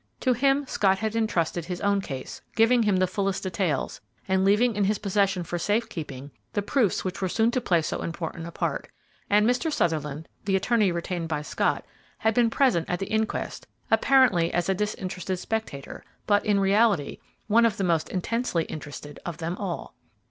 To him Scott had intrusted his own case, giving him the fullest details, and leaving in his possession for safe keeping the proofs which were soon to play so important a part; and Mr. Sutherland, the attorney retained by Scott, had been present at the inquest, apparently as a disinterested spectator, but, in reality, one of the most intensely interested of them all.